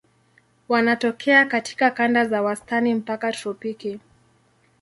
Wanatokea katika kanda za wastani mpaka tropiki.